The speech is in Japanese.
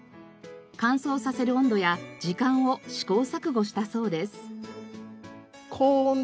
乾燥させる温度や時間を試行錯誤したそうです。